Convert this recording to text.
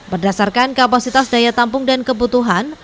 berdasarkan kapasitas daya tampung dan kebutuhan